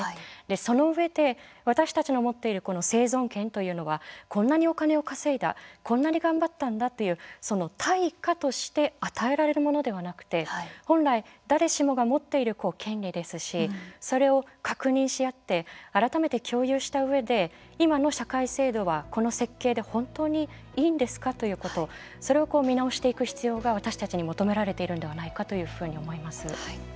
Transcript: その上で、私たちの持っている生存権というのはこんなにお金を稼いだこんなに頑張ったんだというその対価として与えられるものではなくて本来、誰しもが持っている権利ですしそれを確認し合って改めて共有したうえで今の社会制度はこの設計で本当にいいんですかということそれを見直していく必要が私たちに求められているんではないかというふうに思います。